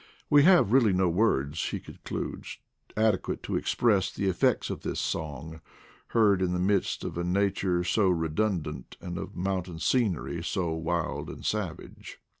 We have really no words, he con cludes, adequate to express the effects of this song, heard in the midst of a nature so redundant, and of mountain scenery so wild and savage.